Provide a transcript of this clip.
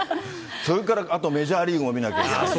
それからあとメジャーリーグも見なきゃいけない。